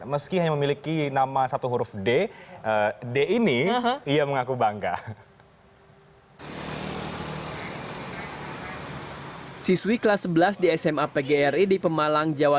meski hanya memiliki nama satu huruf d d ini ia mengaku bangga